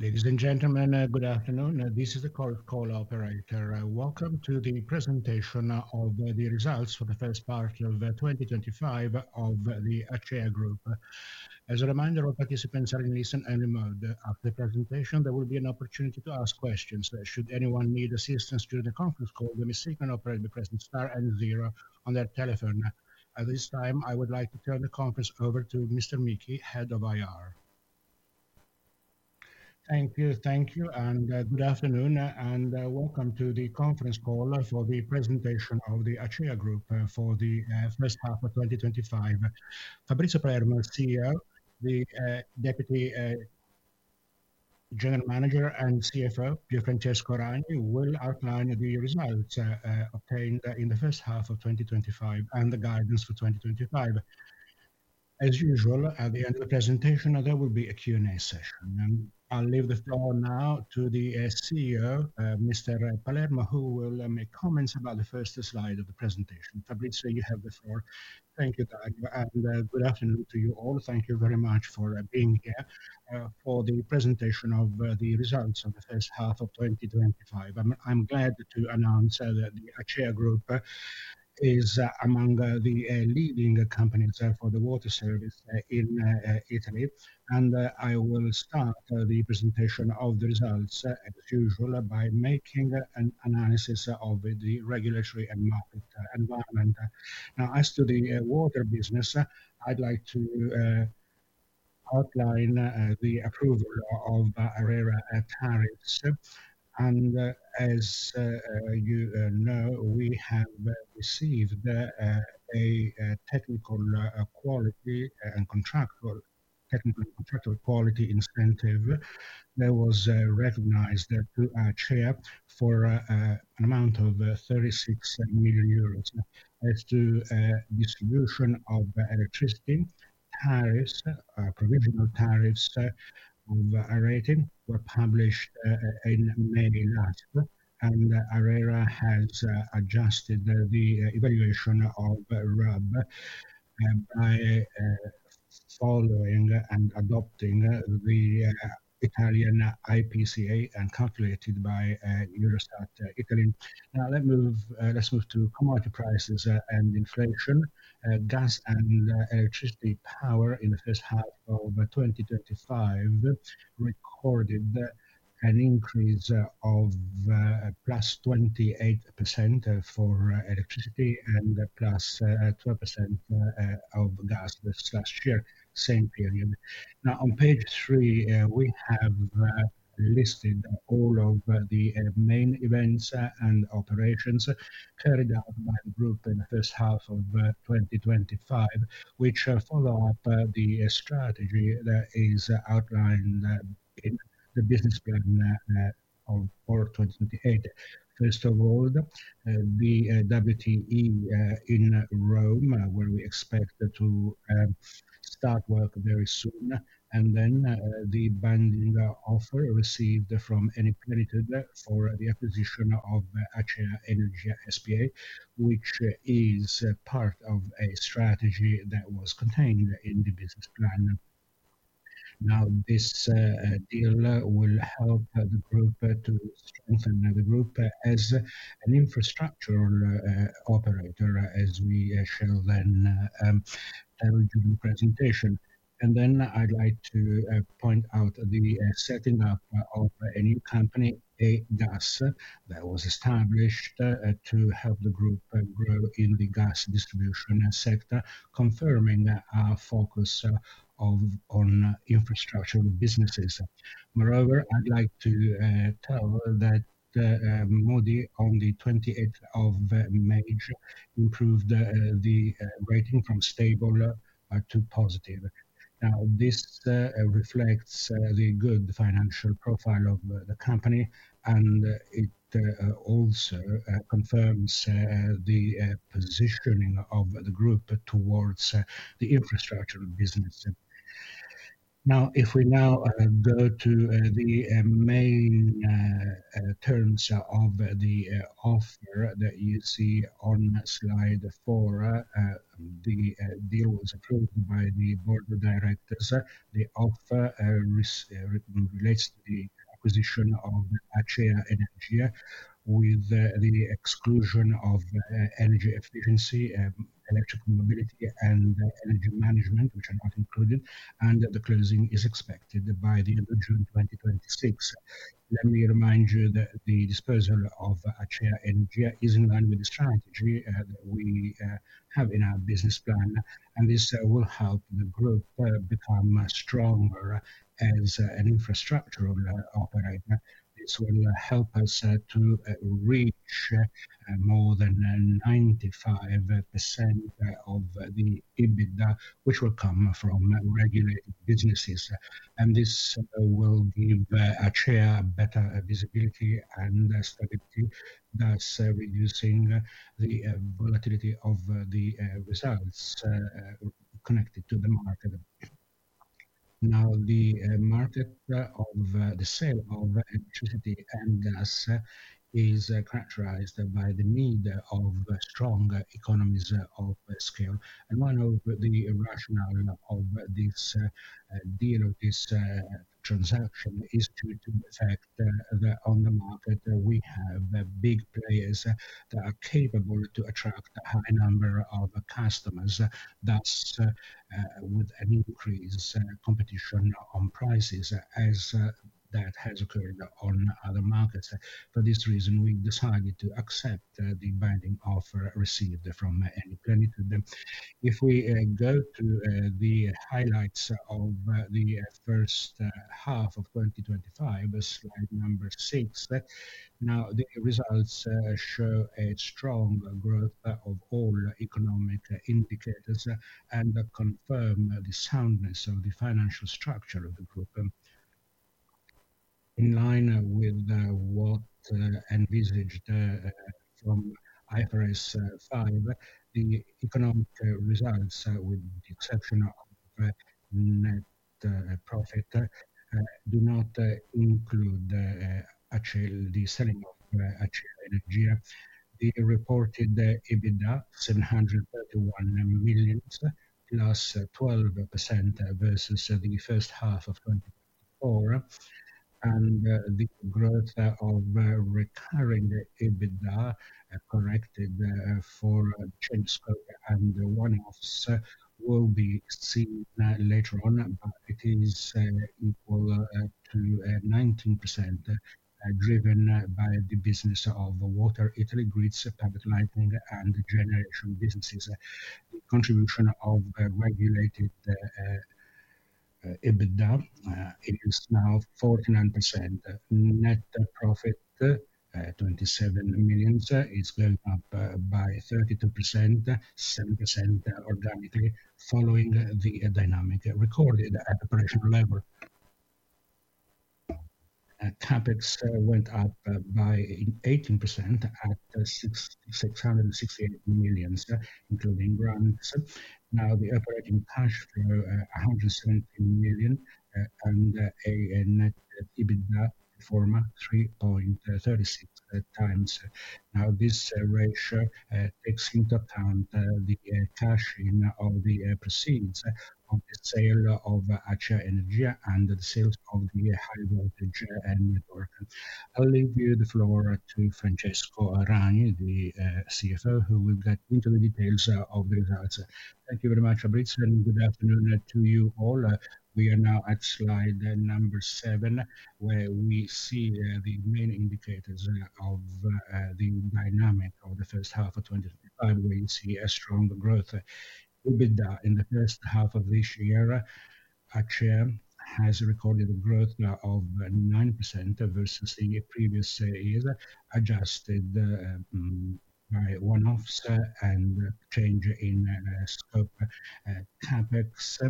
Ladies and gentlemen, good afternoon. This is the call operator. Welcome to the presentation of the results for the 2025 of the Achai Group. As a reminder, all participants are in listen only mode. After the presentation, there will be an opportunity to ask questions. At this time, I would like to turn the conference over to Mr. Micky, Head of IR. Thank you. Thank you, and good afternoon, and welcome to the conference call for the presentation of the Achia Group for the first half of twenty twenty five. Fabrizio Permer, CEO, the deputy general manager and CFO, Pierre Francesco Arany, will outline the results obtained in the 2025 and the guidance for 2025. As usual, at the end of the presentation, there will be a Q and A session. And I'll leave the floor now to the CEO, Mr. Palermo, who will make comments about the first slide Fabrizio, you have the floor. Thank you, Thag, and good afternoon to you all. Thank you very much for being here for the presentation of the results of the first half of twenty twenty five. I'm glad to announce that Achai Group is among the leading companies for the water service in Italy. And I will start the presentation of the results as usual by making an analysis of the regulatory and market environment. Now as to the water business, I'd like to outline the approval of Arraya tariffs. And as you know, we have received a technical quality and contractual technical and contractual quality incentive that was recognized to our chair for an amount of €36,000,000 as to distribution of electricity, tariffs, provisional tariffs of Auretin were published in May, and Aureira has adjusted the evaluation of rub by following and adopting the Italian IPCA and calculated by Eurostat Italy. Now let's move to commodity prices and inflation. Gas and electricity power in the 2025 recorded an increase of plus 28% for electricity and plus 12% of gas this last year, same period. Now on Page three, we have listed all of the main events and operations carried out by group in the first half of twenty twenty five, which follow-up the strategy that is outlined in the business plan of 2028. First of all, WTE in Rome, where we expect to start work very soon. And then the binding offer received from any candidate for the acquisition of ACCIO Energy SPA, which is part of a strategy that was contained in the business plan. Now this deal will help the group to strengthen the group as an infrastructural operator as we shall then turn to the presentation. And then I'd like to point out the setting up of a new company, ADAS, that was established to help the group grow in the gas distribution sector, confirming our focus on infrastructure businesses. Moreover, I'd like to tell that Modi on the May 28 improved the rating from stable to positive. Now this reflects the good financial profile of the company, and it also confirms the positioning of the group towards the infrastructure business. Now if we now go to the main terms of the offer that you see on Slide four, the deal was approved by the Board of Directors. The offer relates to the acquisition of Achea Energia with exclusion of energy efficiency, electrical mobility and energy management, which are not included, and that the closing is expected by the June. Let me remind you that the disposal of Achia Energy is in line with the strategy that we have in our business plan, and this will help the group become stronger as an infrastructural operator. This will help us to reach more than 95% of the EBITDA, which will come from regulated businesses. And this will give Acheya better visibility and strategy, thus reducing the volatility of the results connected to the market. Now the market of the sale of electricity and gas is characterized by the need of strong economies of scale. And one of the rationale of this deal of this transaction is due to the fact that on the market, we have big players that are capable to attract a high number of customers. That's with an increase in competition on prices as that has occurred on other markets. For this reason, we decided to accept the binding offer received from any credit. If we go to the highlights of the first half of twenty twenty five, Slide six. Now the results show a strong growth of all economic indicators and confirm the soundness of the financial structure of the group. In line with what envisaged from IFRS five, the economic results with the exception of net profit do not include actually the selling of actually Energia. The reported EBITDA, $731,000,000, plus 12% versus the first half of twenty twenty four. And the growth of recurring EBITDA corrected for Chemskoye and the one offs will be seen later on, but it is equal to 19% driven by the business of water, Italy, grids, public lighting and generation businesses. Contribution of regulated EBITDA, it is now 49%. Net profit, 27,000,000. It's going up by 32%, 7% organically following the dynamic recorded at operational level. CapEx went up by 18% at $668,000,000, including grams. Now the operating cash flow, 117,000,000 and a net EBITDA for a 3.36 times. Now this ratio takes into account the cash in of the proceeds of the sale of ACHA Energia and the sales of the high voltage network. I'll leave you the floor to Francesco Arrange, the CFO, who will get into the details of the results. Thank you very much, Abritz, and good afternoon to you all. We are now at Slide seven, where we see the main indicators of the dynamic of the first half of twenty twenty five. We see a strong growth. EBITDA in the first half of this year, our share has recorded a growth now of 9% versus the previous year, adjusted by one offs and change in scope CapEx.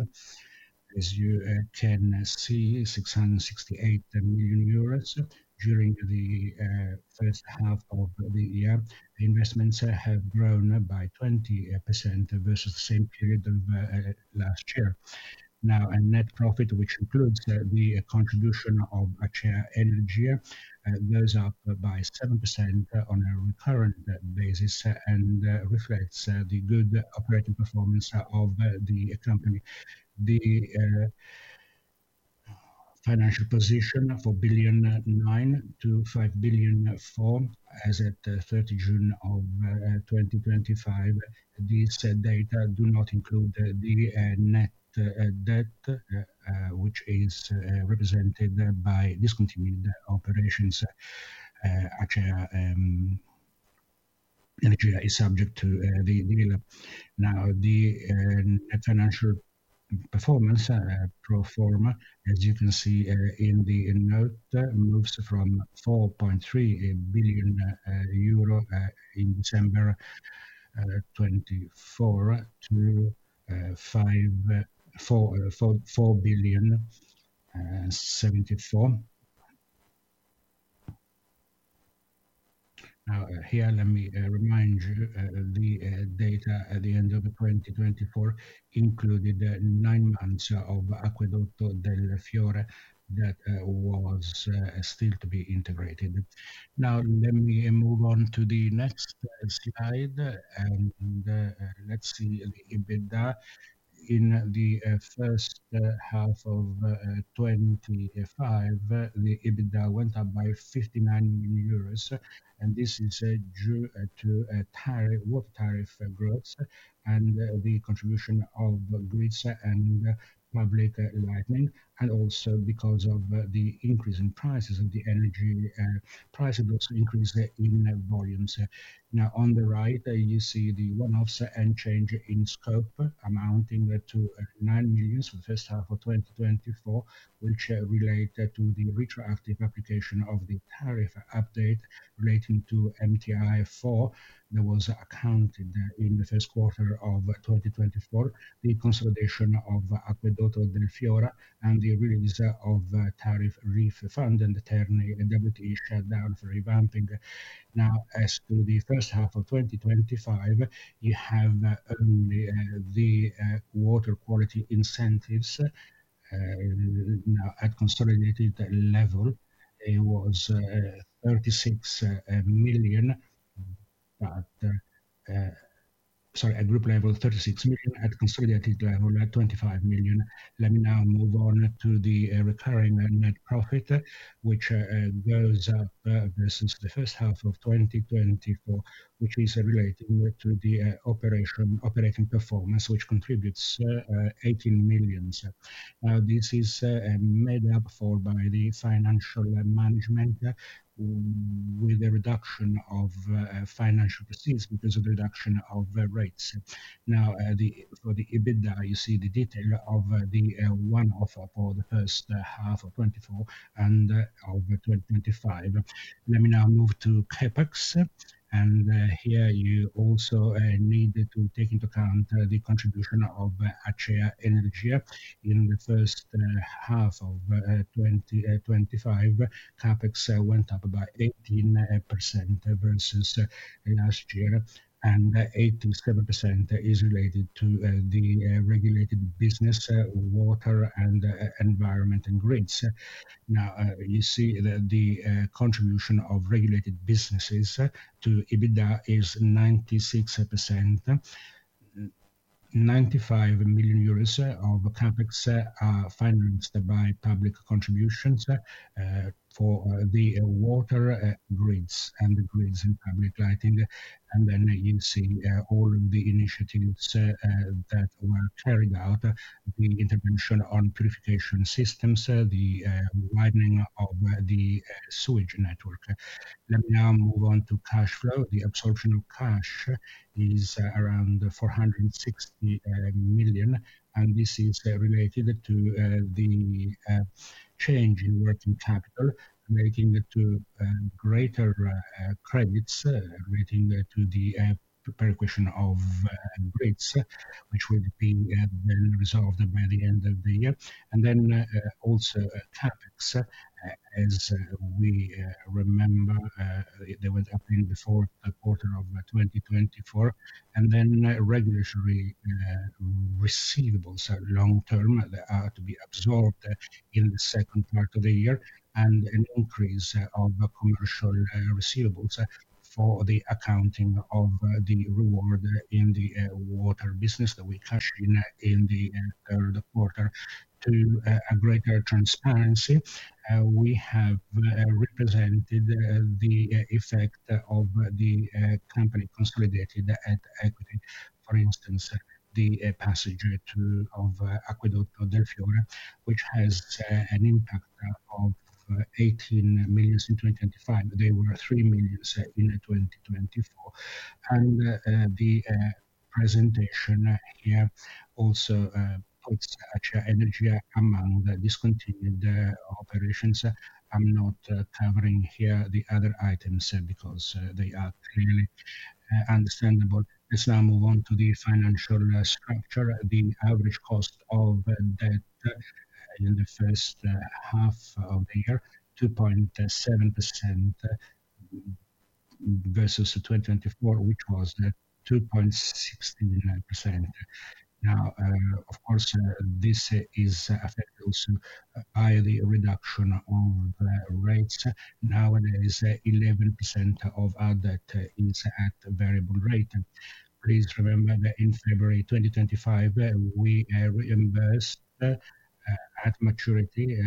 As you can see, $668,000,000 during the first half of the year. Investments have grown by 20% versus the same period of last year. Now our net profit, which includes the contribution of Achea Energia, goes up by 7% on a recurrent basis and reflects the good operating performance of the company. The financial position, 4,090,000,000.00 to 5.04 as at thirty June of twenty twenty five. These data do not include the net debt, which is represented by discontinued operations. Actually, Energy is subject to the dividend. Now the financial performance pro form a, as you can see in the note, moves from €4,300,000,000 in December 24 to 5 $4.04 4,000,000,074. Now here, let me remind you, the data at the 2024 included nine months of Acqueducto Del Fiora that was still to be integrated. Now let me move on to the next slide, and let's see the EBITDA. In the first half of twenty five, the EBITDA went up by 59,000,000 euros, and this is due to growth and the contribution of Grids and public lightning and also because of the increase in prices of the energy prices, also increased in volumes. Now on the right, you see the one offs and change in scope amounting to 9,000,000 for the first half of twenty twenty four, which relate to the retroactive application of the tariff update relating to MTI four that was accounted in the first quarter of twenty twenty four, the consolidation of Acuedoto del Fiora and the release of tariff refund and the term and WTI shutdown for revamping. Now as to the first half of twenty twenty five, you have only the water quality incentives at consolidated level. It was 36,000,000 sorry, a group level 36,000,000 at consolidated level at 25,000,000. Let me now move on to the recurring net profit, which goes up versus the first half of twenty twenty four, which is relating to the operating performance, which contributes 18,000,000. Is made up for by the financial management with the reduction of financial proceeds because of reduction of rates. Now the for the EBITDA, you see the detail of the one off for the 2024 and of 2025. Let me now move to CapEx. And here, you also need to take into account the contribution of Atria Energy in the first half of twenty twenty five, CapEx went up about 18% versus last year, and 87% is related to the regulated business, water and environment and grids. You see that the contribution of regulated businesses to EBITDA is 96%. 95,000,000 of CapEx financed by public contributions for the water grids and the grids in public lighting. And then you see all of the initiatives that were carried out, the intervention on purification systems, widening of the sewage network. Let me now move on to cash flow. The absorption of cash is around $460,000,000, and this is related to the change in working capital, making it to greater credits, to the percussion of rates, which would be then resolved by the end of the year. And then also CapEx, as we remember, they were up in the fourth quarter of twenty twenty four. And then regulatory receivables long term that are to be absorbed in the second part of the year and an increase of commercial receivables for the accounting of the reward in the water business that we cashed in the third quarter to a greater transparency. We have represented the effect of the company consolidated equity. For instance, the passage of Acquedot del Fiora, which has an impact of 18,000,000 in 2025. They were 3,000,000 in 2024. And the presentation here also puts Energia among discontinued operations. I'm not covering here the other items because they are clearly understandable. Let's now move on to the financial structure. The average cost of debt in the first half of the year, 2.7% versus 2024, which was 2.69%. Now of course, this is affected also by the reduction of rates. Nowadays, 11% of our debt is at variable rate. Remember that in February 2025, we reimbursed at maturity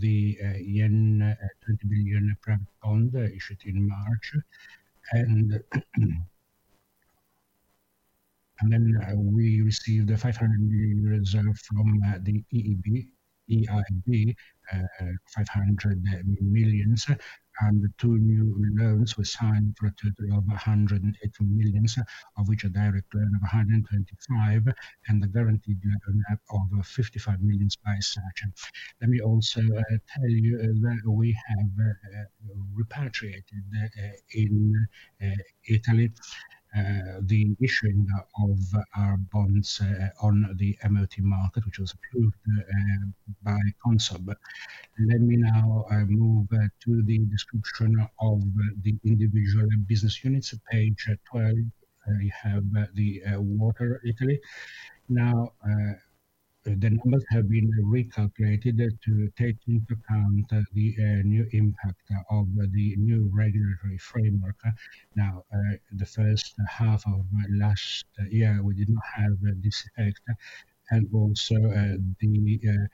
the yen 20,000,000,000 private bond issued in March. And then we received the €500,000,000 reserve from the 500,000,000. And the two new loans were signed for a total of 180,000,000, of which are directed at 125,000,000 and the guaranteed net of 55,000,000 by Sachin. Let me also tell you that we have repatriated in Italy the issuing of our bonds on the MOT market, which was approved by CONSORB. Let me now move to the description of the individual business units. Page 12, we have the water Italy. Now the numbers have been recalculated to take into account the new impact of the new regulatory framework. Now the first half of last year, we did not have this effect. And also, the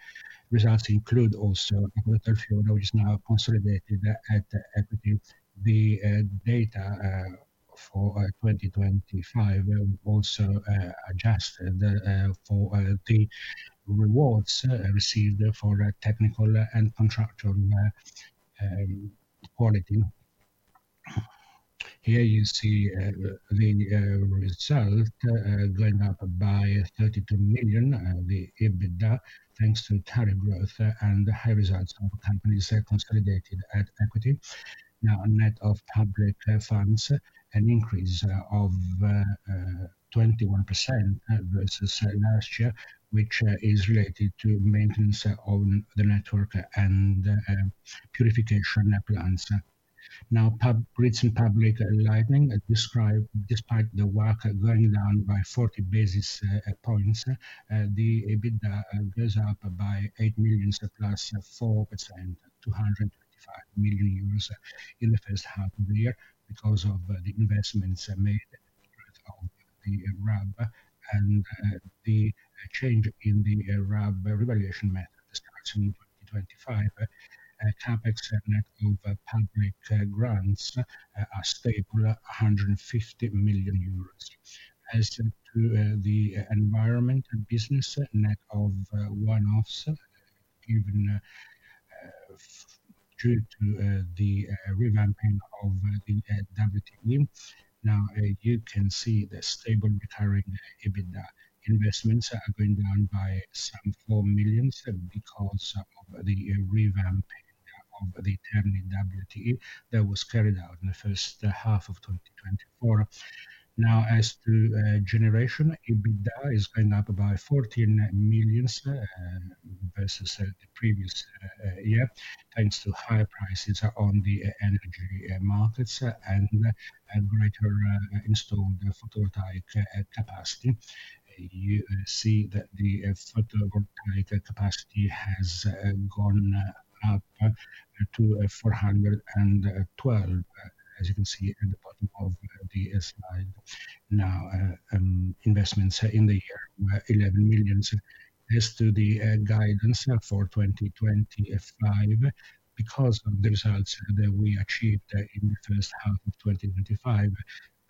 results include also a regulatory order which is now consolidated at equity. The data for 2025 also adjusted for the rewards received for technical and contractual quality. Here, you see the result going up by 32,000,000, the EBITDA, thanks to tariff growth and the high results of the company's consolidated equity. Now net of public funds, an increase of 21% versus last year, which is related to maintenance of the network and purification plants. Now public and Lightning described despite the WACC going down by 40 basis points, the EBITDA goes up by 8,000,000 plus 4%, $225,000,000 in the first half of the year because of the investments made of Arab and the change in the Arab revaluation method starts in 2025. CapEx net of public grants are stable at 150,000,000 euros. As to the environment and business net of one offs, even due to the revamping of the WTN. Now you can see the stable recurring EBITDA investments are going down by some 4,000,000 because of the revamping of the term in WTE that was carried out in the first half of twenty twenty four. Now as to generation, EBITDA has been up by 14,000,000 versus the previous year, thanks to higher prices on the energy markets and greater installed photovoltaic capacity. You see that the photovoltaic capacity has gone up to four twelve, as you can see in the bottom of the slide now investments in the year, 11,000,000. As to the guidance for 2025, because of the results that we achieved in the 2025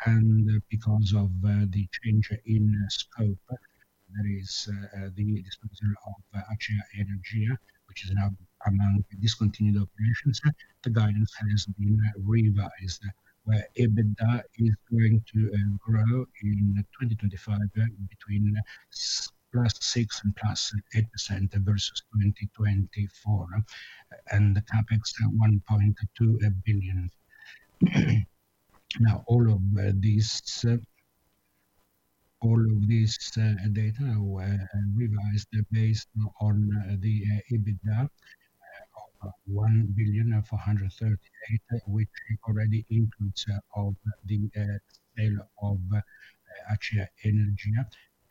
and because of the change in scope, that is the disposal of Achia Energia, which is now among discontinued operations, guidance has been revised where EBITDA is going to grow in 2025 between plus 6% and plus 8% versus 2024 and the CapEx at 1,200,000,000.0. Now all of these data were revised based on the EBITDA of 438,000,000.000, which already includes of the sale of Atria Energy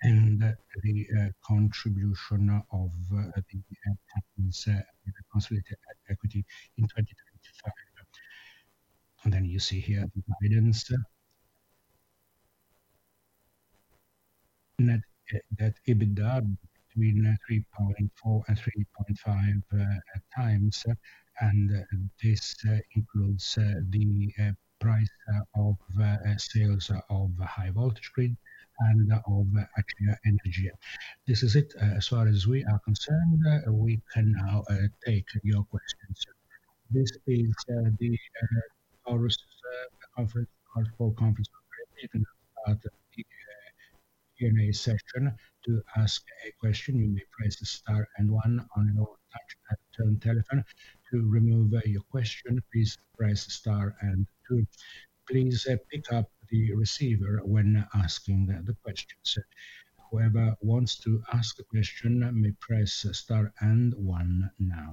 and the contribution of capital's consolidated equity in 2025. And then you see here the guidance. Net debt EBITDA between 3.4 times and 3.5 times, and this includes the price of sales of high voltage grid and of Atria Energy. This is it. As far as we are concerned, we can now take your questions. This is the Chorus Call conference operator. Now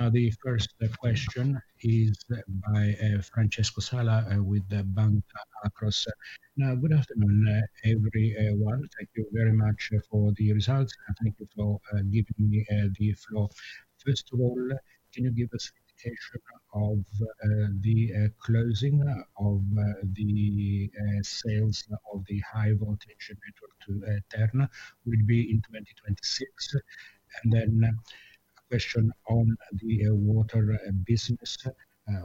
you. The first question is by Francesco Sala with Bank of Accross. Good afternoon, everyone. Thank you very much for the results. I thank you for giving me the floor. First of all, can you give us an indication of the closing of the sales of the high voltage to Tern would be in 2026? And then a question on the water business.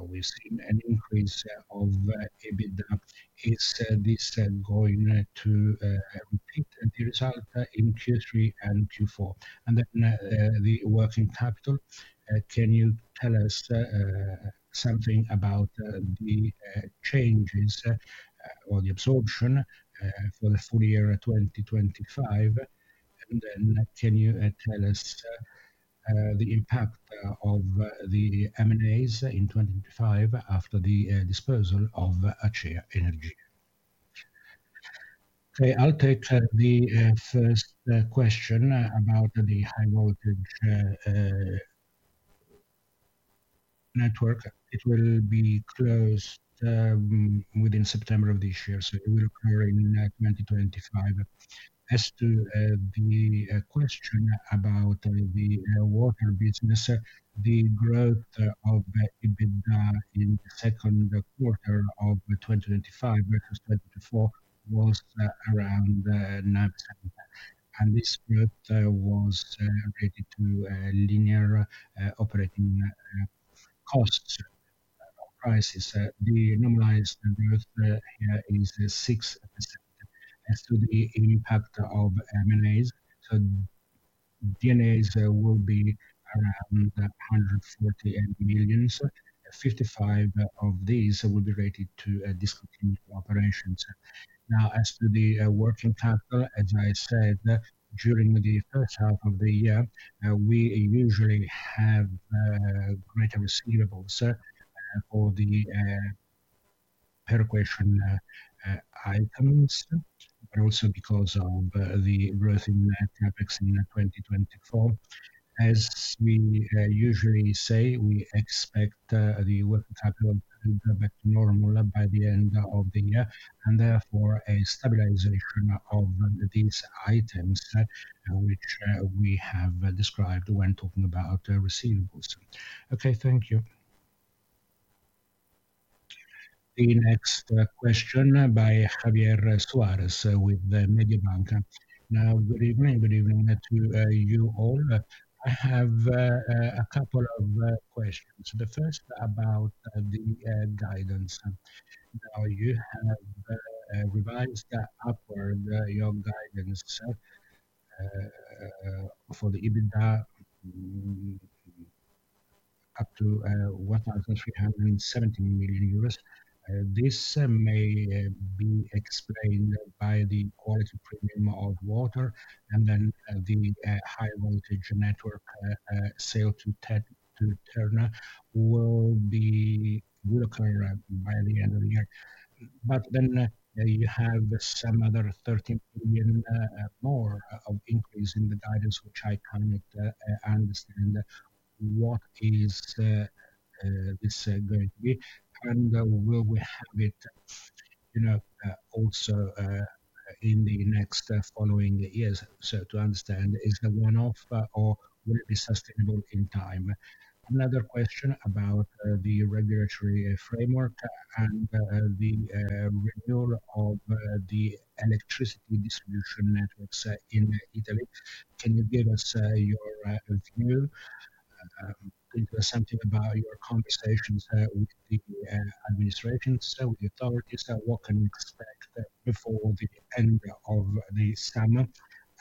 We've seen an increase of EBITDA. Is this going to repeat the result in Q3 and Q4? And then the working capital, can you tell us something about the changes or the absorption for the full year 2025? And then can you tell us the impact of the M and As in 2025 after the disposal of Achia Energy? K. I'll take the first question about the high voltage network. It will be closed within September. So it will occur in, like, 2025. As to the question about the water business, the growth of EBITDA in the 2025 versus 2024 was around 9%. And this growth was related to a linear operating costs prices. The normalized growth here is six as to the impact of M and As. So D and As will be around 148,000,000. So 55 of these will be rated to discontinued operations. Now as to the working capital, as I said, during the first half of the year, we usually have greater receivables for the per equation items and also because of the growth in CapEx in 2024. As we usually say, we expect the working capital back to normal by the end of the year and therefore, a stabilization of these items, which we have described when talking about receivables. Okay. Thank you. The next question by Javier Suarez with Mediobanca. Now good evening to you all. I have a couple of questions. So the first about the guidance. Now you have revised upward your guidance for the EBITDA up to $1,370,000,000. This may be explained by the quality premium of water and then the higher voltage network sale to Ternan will be will occur by the end of the year. But then you have some other 13,000,000,000 more of increase in the guidance, which I cannot understand. What is this going to be? And will we have it also in the next following years? So to understand is the one off or will it be sustainable in time? Another question about the regulatory framework and the renewal of the electricity distribution networks in Italy. Can you give us your view? Something about your conversations with the administration, so the authorities, what can we expect before the end of the summer?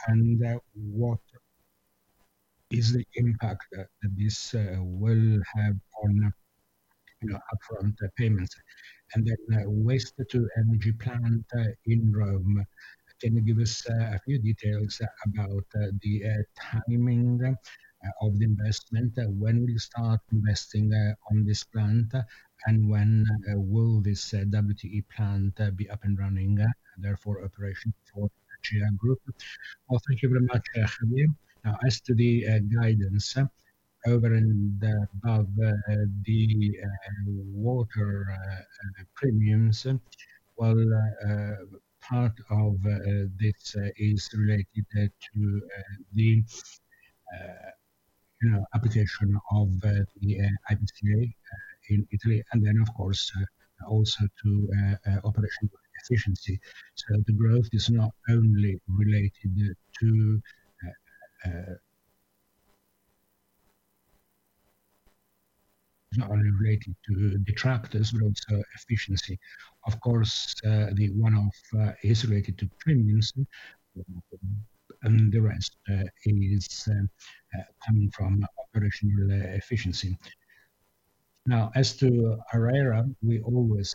And what is the impact that this will have on upfront payments? And then waste to energy plant in Rome, can you give us a few details about the timing of the investment, when we start investing on this plant and when will this WTE plant be up and running, therefore, operation for Chia Group. Well, thank you very much, Javier. As to the guidance over and above the water premiums, well, part of this is related to the application of IPCA in Italy and then, of course, also to operation efficiency. So the growth is not only related to not only related to the tractors, but also efficiency. Of course, the one off is related to premiums, and the rest is coming from operational efficiency. Now as to Areira, we always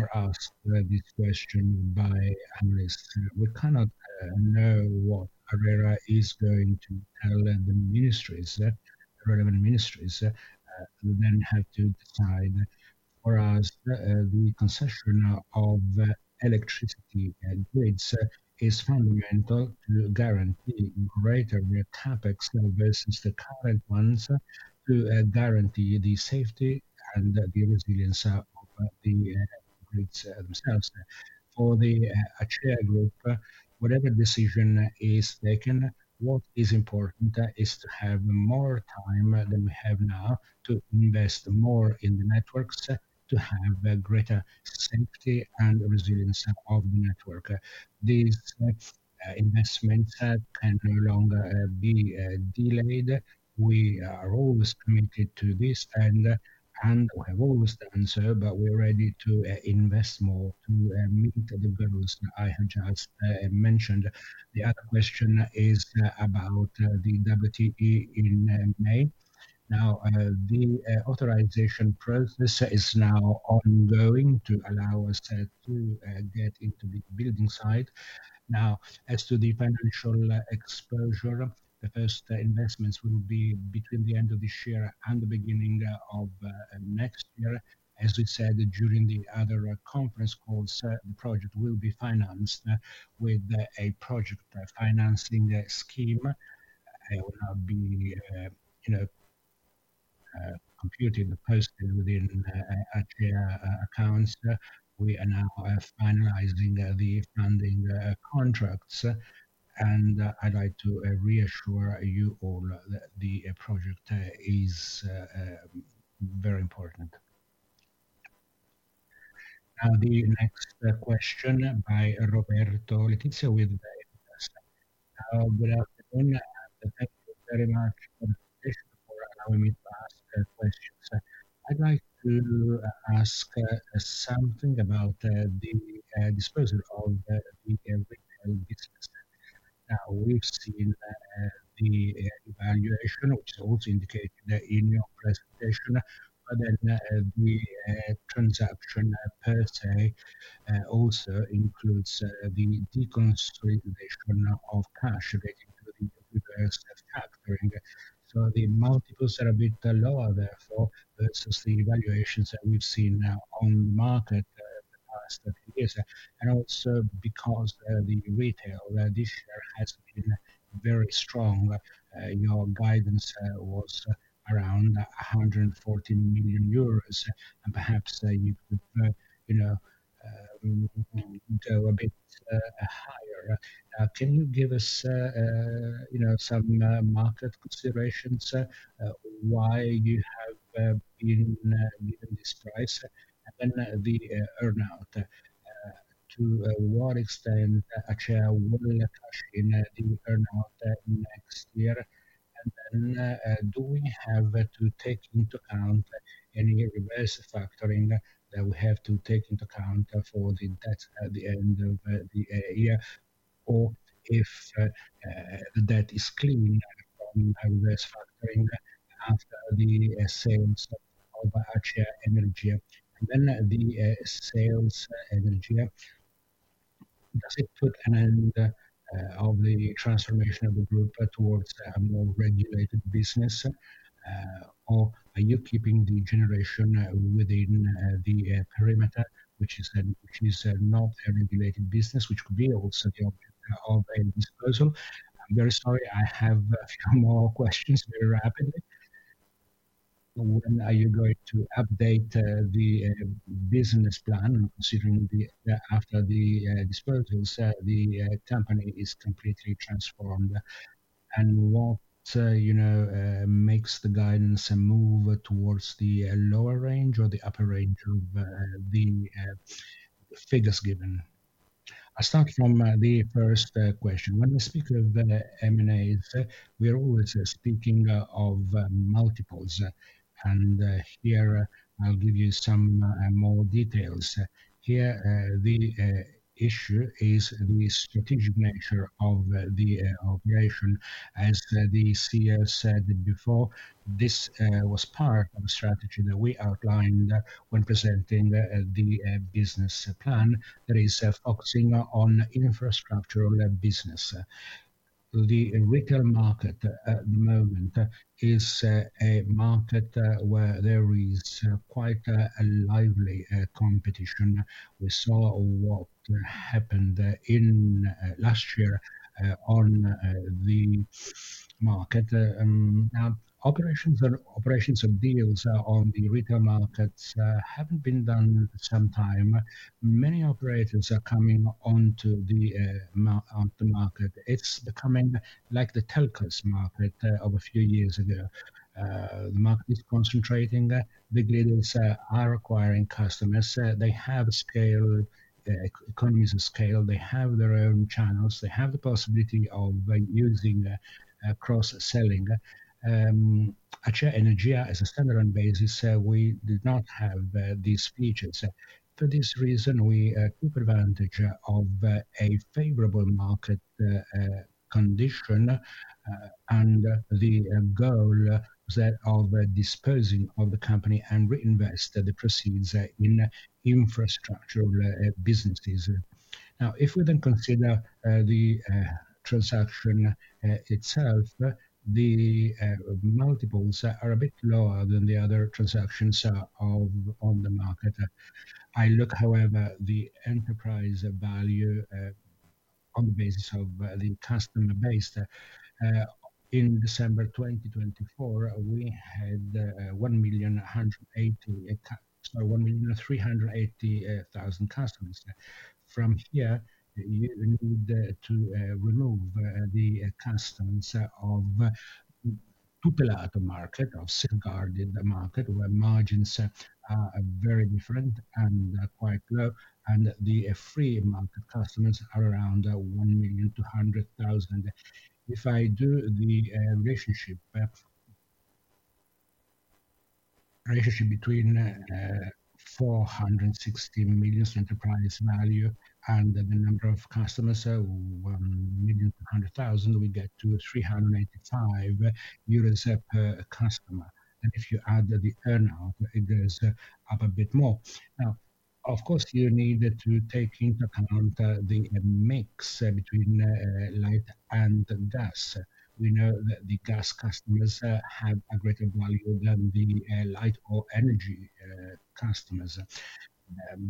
are asked this question by analysts. We cannot know what Areira is going to tell the ministries that relevant ministries, who then have to decide for us the concession of electricity and grids is fundamental to guarantee greater CapEx versus the current ones to guarantee the safety and the resilience of fleets themselves. For the Acharya Group, whatever decision is taken, what is important is to have more time than we have now to invest more in the networks to have a greater safety and resilience of the network. These investments can no longer be delayed. We are always committed to this and we have always answered, but we're ready to invest more to meet the goals that I have just mentioned. The other question is about the WTE in May. Now the authorization process is now ongoing to allow us to get into the building site. Now as to the financial exposure, the first investments will be between the end of this year and the beginning of next year. As we said during the other conference calls, certain projects will be financed with a project financing scheme It will have been computed and posted within accounts. We are now finalizing the funding contracts. And I'd like to reassure you all that the project is very important. Well, I want to ask you very much for allowing me to ask questions. I'd question like to ask something about the disposal of the retail retail business. Now we've seen the evaluation, which is also indicated in your presentation, but then the transaction per se also includes the deconstructation of cash. So the multiples are a bit lower therefore versus the valuations that we've seen now on the market in the past thirty years. And also because the retail this year has been very strong. Your guidance was around 114,000,000 euros. And perhaps you could go a bit higher. Can you give us some market considerations, why you have been given this price and the earn out? To what extent actually, what will you cash in the earn out next year? And then do we have to take into account any reverse factoring that we have to take into account for the debt at the end of the year or if the debt is clean and risk factoring after the sales of Arcea Energy. And then the sales Energia, does it put an end of the transformation of the group towards a more regulated business? Or are you keeping the generation within the perimeter, which is not a regulated business, which could be also the option of a disposal? I'm very sorry, I have a few more questions very rapidly. When are you going to update the business plan considering that after the disposals, the company is completely transformed? And what makes the guidance move towards the lower range or the upper range of the figures given? I'll start from the first question. When we speak of M and A, we are always speaking of multiples. And here, I'll give you some more details. Here, the issue is the strategic nature of the operation. As the CEO said before, this was part of the strategy that we outlined when presenting the business plan that is focusing on infrastructural business. The retail market at the moment is a market where there is quite lively competition. We saw what happened in last year on the market. Now operations operations of deals on the retail markets haven't been done for some time. Many operators are coming onto the market. It's becoming like the telcos market of a few years ago. The market is concentrating. Big leaders are acquiring customers. They have scale economies of scale. They have their own channels. They have the possibility of using cross selling. At Energia as a stand alone basis, we did not have these features. For this reason, we took advantage of a favorable market condition and the goal that of disposing of the company and reinvest the proceeds in infrastructural businesses. Now if we then consider the transaction itself, the multiples are a bit lower than the other transactions on the market. I look, however, the enterprise value on the basis of the customer base. In December 2024, we had 182,380,000 customers. From here, we need to remove the customers of Tupelo at the market, of safeguarded market, where margins very different and quite low and the free market customers are around 1,200,000. If I do the relationship between 460,000,000 enterprise value and the the number of customers, 1,100,000, we get to 385 per customer. And if you add the the earn out, it goes up a bit more. Now, of course, you need to take into account the mix between light and the dust. We know that the gas customers have a greater value than the light or energy customers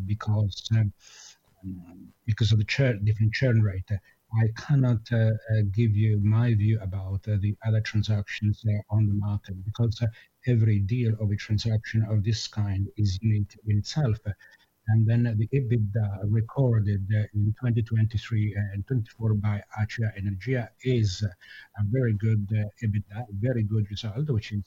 because of the different churn rate. Cannot give you my view about the other transactions on the market because every deal of a transaction of this kind is linked in itself. And then the EBITDA recorded in 2023 and 2024 by Atria Energia is a very good EBITDA, very good result, which is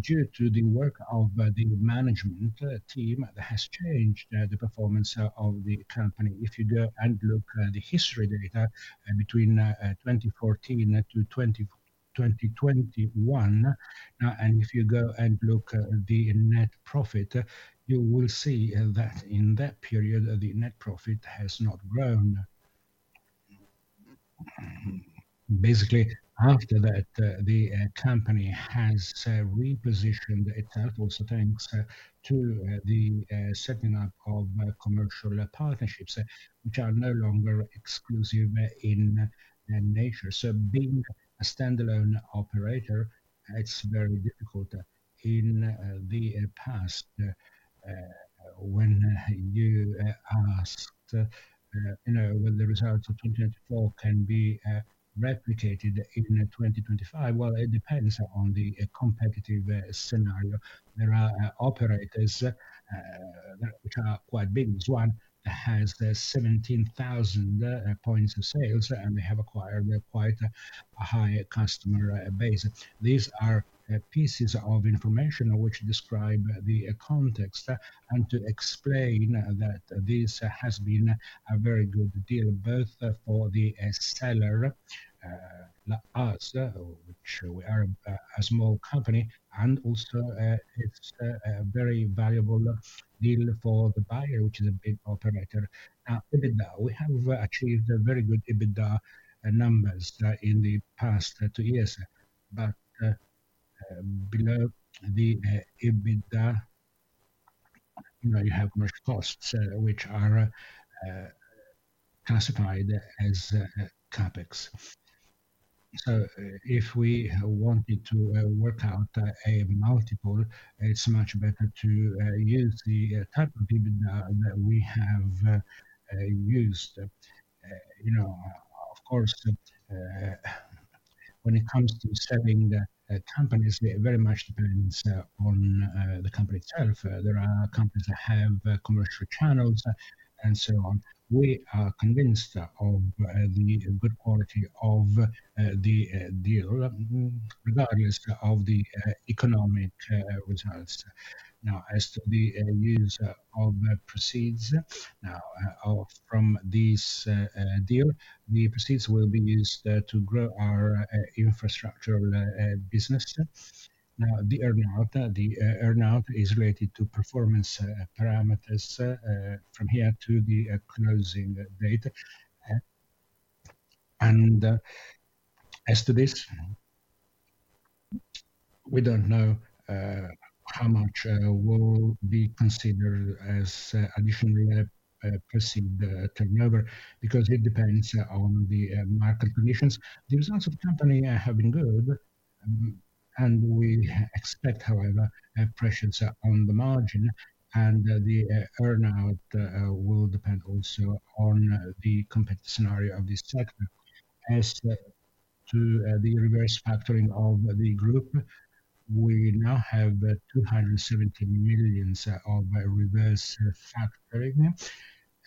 due to the work of the management team has changed the performance of the company. If you go and look at the history data between 2014 to 2021 and if you go and look at the net profit, you will see that in that period, the net profit has not grown. Basically, after that, company has repositioned it also thanks to the setting up of commercial partnerships, which are no longer exclusive in nature. So being a stand alone operator, it's very difficult In the past, when you asked when the results of 2024 can be replicated in 2025, well, it depends on the competitive scenario. There are operators that which are quite big. One has 17,000 points of sales, and they have acquired quite a high customer base. These are pieces of information which describe the context and to explain that this has been a very good deal both for the seller, not us, which we are a small company, and also it's a very valuable deal for the buyer, which is a big operator. EBITDA, we have achieved a very good EBITDA numbers in the past two years. But below the EBITDA, you have much costs, which are classified as CapEx. So if we wanted to work out a multiple, it's much better to use the type of EBITDA that we have used. You know, of course, when it comes to selling the companies, it very much depends on the company itself. There are companies that have commercial channels and so on. We are convinced of the good quality of the deal regardless of the economic results. Now as to the use of proceeds now from this deal, the proceeds will be used to grow our infrastructure business. Now the earn out is related to performance parameters from here to the closing date. And as to this, we don't know how much will be considered as additional proceed turnover because it depends on the market conditions. The results of the company have been good, and we expect, however, pressures on the margin and the earn out will depend also on the competitive scenario of this sector. As to the reverse factoring of the group, we now have $270,000,000 of reverse factoring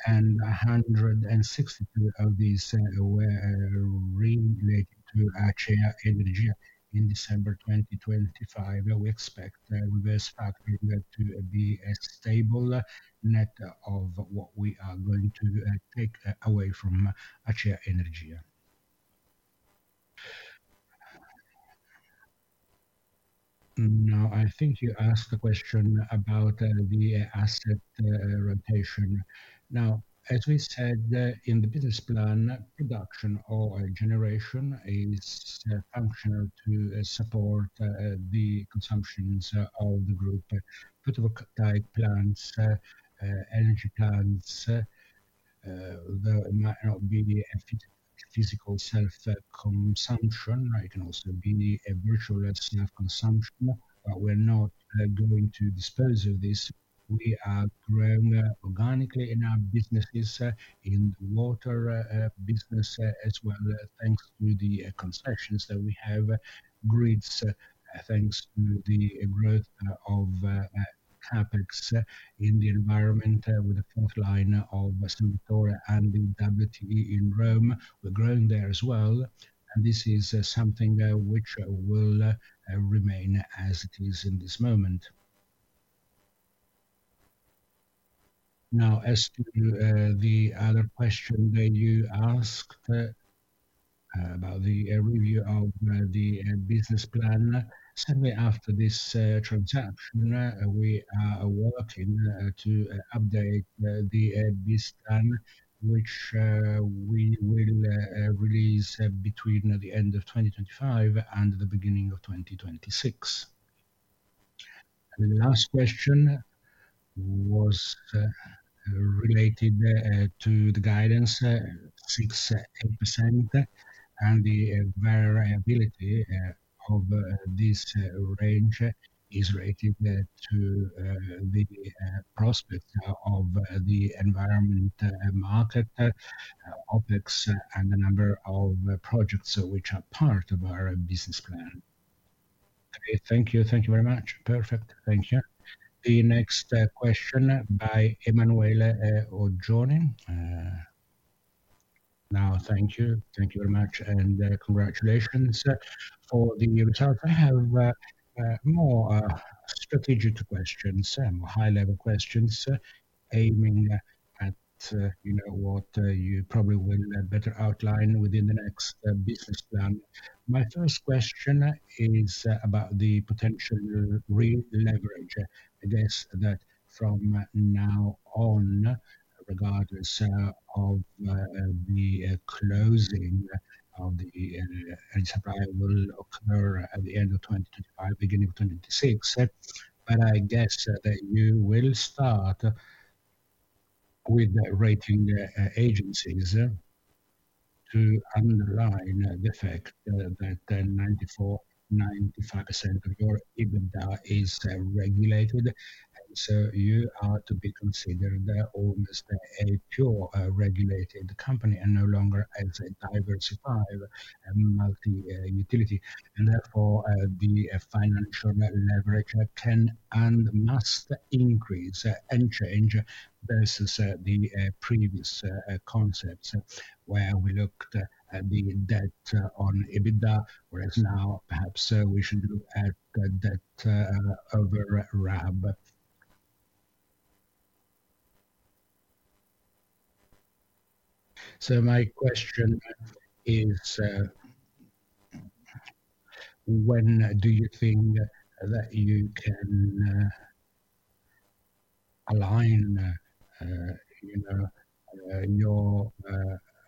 and 162,000,000 of these were related to ACEA Energy in December 2025. We expect reverse factoring to be a stable net of what we are going to take away from Atia Energia. Now I think you asked the question about the asset rotation. Now as we said in the business plan, production or generation is functional to support the consumptions of the group, put the type plants, energy plants, though it might not be the physical self consumption, right, and also be the virtual consumption. We're not going to dispose of this. We are growing organically in our businesses in water business as well, thanks to the concessions that we have grids, thanks to the growth of CapEx in the environment with the fourth line of Western Victoria and in WTE in Rome. We're growing there as well. And this is something which will remain as it is in this moment. Now as to the other question that you asked about the review of the business plan, certainly after this transaction, we are working to update this plan, which we will release between the 2025 and the beginning of twenty twenty six. And the last question was related to the guidance, 68% and the variability of this range is rated to the prospect of the environment market, OpEx and the number of projects which are part of our business plan. Okay. Thank you. Thank you very much. Perfect. Thank you. The next question by Emmanuel O'Gioni. Now thank you. Thank you very much and congratulations for the new results. I have more strategic questions, high level questions aiming at what you probably will better outline within the next business plan. My first question is about the potential to re leverage. I guess that from now on, regardless of the closing of the E and Sapphire will occur at the end of twenty twenty five, beginning of twenty twenty six. And I guess that you will start with the rating agencies to underline the fact that 9495% of your EBITDA is regulated. So you are to be considered almost a pure regulated company and no longer as a diversified multi utility. And therefore, the financial leverage can and must increase and change versus the previous concepts where we looked at the debt on EBITDA, whereas now perhaps we should look at debt over RAB. So my question is when do you think that you can align, you know, your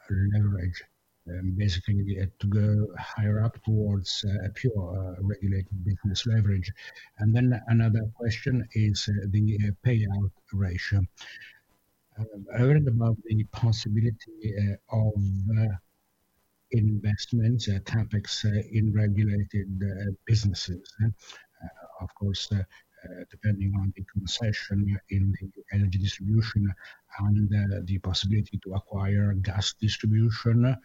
leverage? Basically, we had to go higher up towards a pure regulated business leverage. And then another question is the payout ratio. I heard about the possibility of investments, CapEx in regulated businesses. Of course, depending on the concession in the energy distribution and then the possibility to acquire gas distribution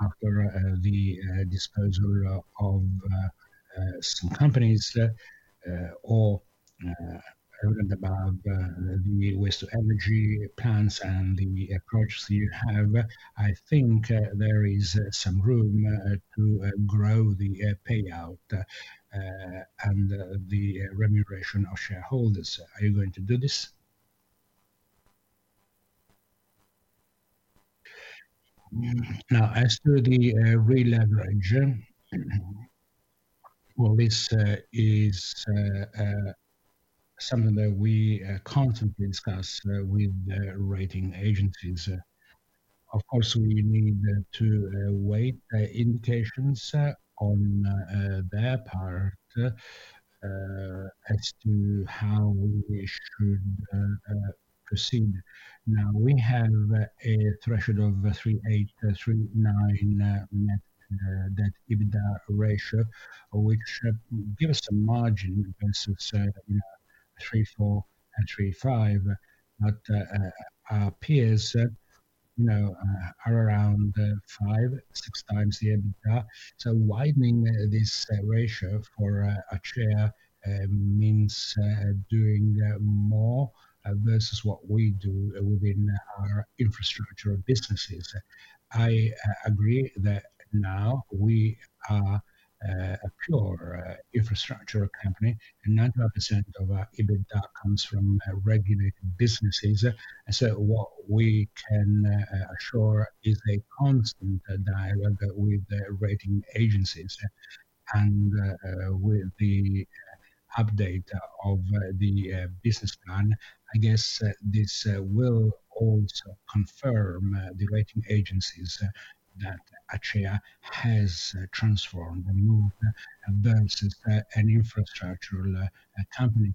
after the disposal of some companies or around the waste of energy plans and the approach that you have, think there is some room to grow the payout and the remuneration of shareholders. Are you going to do this? Now as to the releverager, well, this is something that we constantly discuss with the rating agencies. Of course, we need to wait indications on their part as to how we should proceed. Now we have a threshold of 3.8% to 3.9% net debt EBITDA ratio, which should give us some margin versus 3.43.5%. But our peers are around five, 6x the EBITDA. So widening this ratio for a share means doing more versus what we do within our infrastructure businesses. I agree that now we are a pure infrastructure company and 95% of our EBITDA comes from regulated businesses. So what we can assure is a constant dialogue with the rating agencies. And with the update of the business plan, I guess this will also confirm the rating agencies that Atria has transformed and moved and done since an infrastructural company.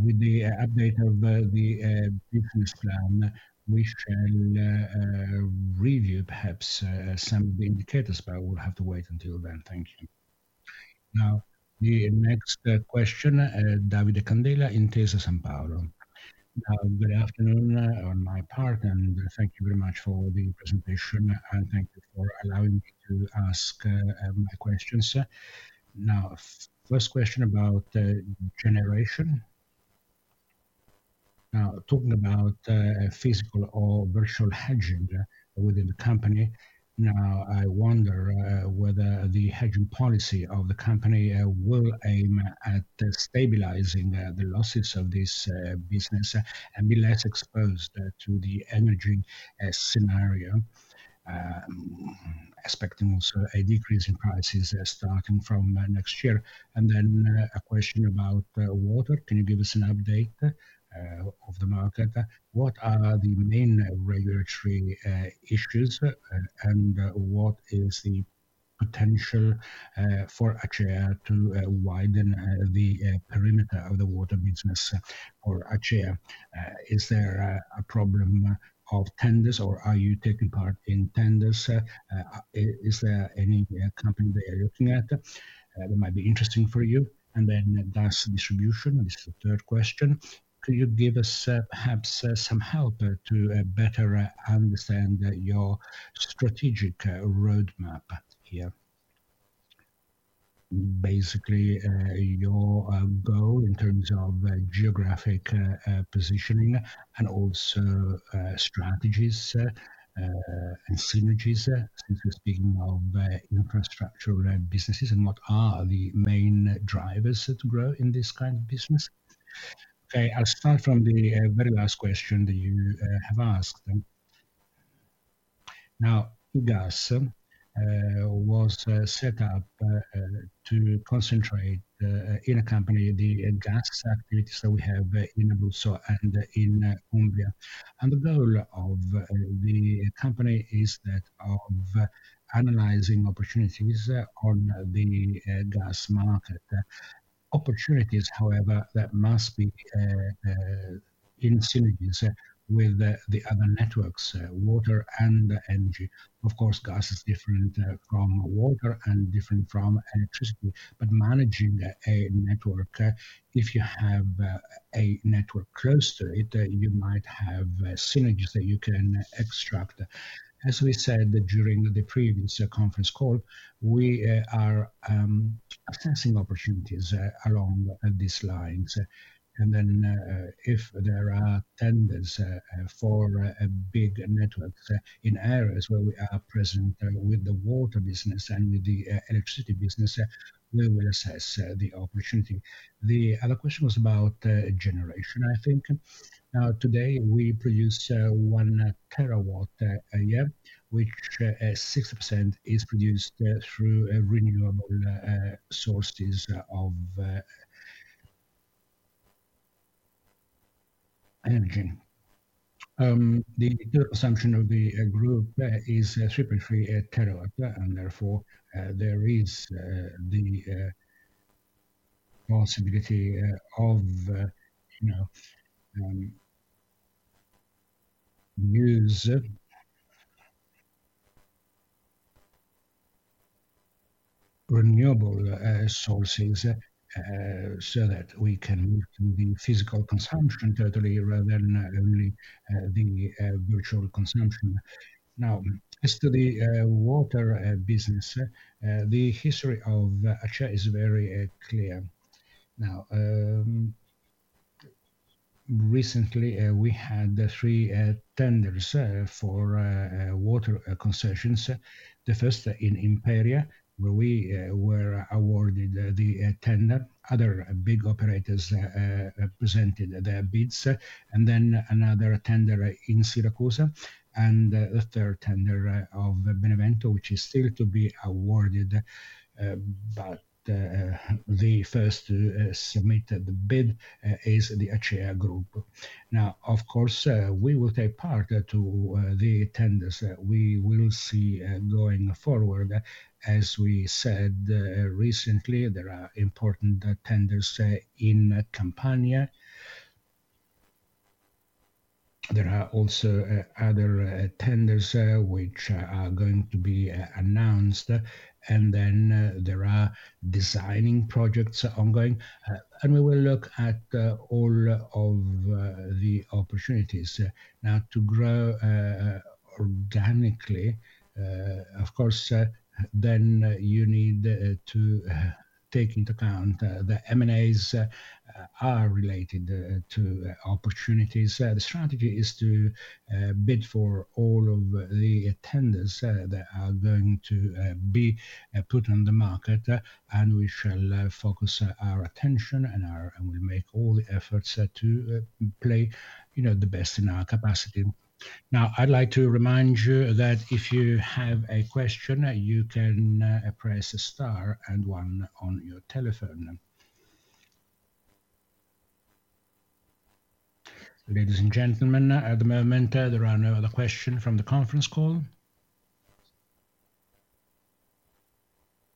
With the update of the business plan, we can review perhaps some of the indicators, but we'll have to wait until then. Thank you. Now the next question, David Decandela in Tesa Sanpaolo. Good afternoon on my part, and thank you very much for the presentation. And thank you for allowing me to ask my questions. Now first question about generation. Now talking about physical or virtual hedging within the company. Now I wonder whether the hedging policy of the company will aim at stabilizing the losses of this business and be less exposed to the energy scenario, expecting also a decrease in prices starting from next year? And then a question about water. Can you give us an update of the market? What are the main regulatory issues? What is the potential for Achea to widen the perimeter of the water business for Achea? Is there a problem of tenders? Or are you taking part in tenders? Is there any company that you're looking at that might be interesting for you? And then Das distribution, this is the third question. Could you give us perhaps some help to better understand your strategic road map here. Basically, your goal in terms of geographic positioning and also strategies and synergies since we're speaking of infrastructure businesses and what are the main drivers to grow in this kind of business? Okay. I'll start from the very last question that you have asked. Now Ugas was set up to concentrate in a company the gas activities that we have in Abuso and in Colombia. And the goal of the company is that of analyzing opportunities on the gas market. Opportunities, however, that must be in synergies with the other networks, water and energy. Of course, gas is different from water and different from electricity. But managing a network, If you have network close to it, you might have synergies that you can extract. As we said during the previous conference call, we are assessing opportunities along these lines. And then if there are tenders for a big network in areas where we are present with the water business and with the electricity business, we will assess the opportunity. The other question was about generation. I think today, we produce one terawatt a year, which 6% is produced through renewable sources of energy. The consumption of the group is triple free at kilowatt, and therefore, there is the possibility of, you know, use renewable sources so that we can move to the physical consumption totally rather than only the virtual consumption. Now as to the water business, the history of Achai is very clear. Now recently, we had three tenders for water concessions. The first in Imperial, where we were awarded the tender. Other big operators presented their bids. And then another tender in Syracuse and third tender of Benevento, which is still to be awarded. But the first submitted bid is the HCA Group. Now of course, we will take part to the tenders that we will see going forward. As we said recently, there are important tenders in Campania. There are also other tenders, which are going to be announced. And then there are designing projects ongoing. And we will look at all of the opportunities. Now to grow organically, of course, then you need to take into account the M and As are related to opportunities. The strategy is to bid for all of the tenders that are going to be put on the market, and we shall focus our attention and our and we make all the efforts to play the best in our capacity. Now I'd like to remind you that if you have a question, you can press star and one on your Ladies and gentlemen, at the moment, there are no other question from the conference call.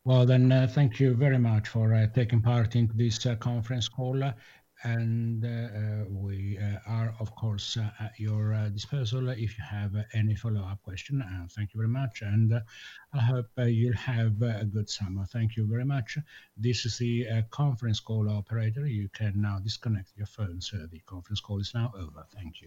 Well, then thank you very much for taking part in this conference call. And we are, of course, at your disposal if you have any follow-up question. Thank you very much. And I hope you have a good summer. Thank you very much. This is the conference call operator. You can now disconnect your phones. The conference call is now over. Thank you.